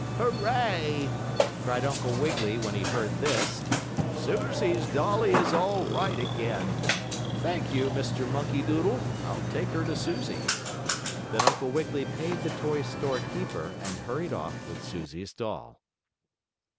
"Hurray!" cried Uncle Wiggily when he heard this. "Susie's dolly is all right again. Thank you, Mr. Monkey Doodle, I'll take her to Susie." Then Uncle Wiggily paid the toy store keeper and hurried off with Susie's doll.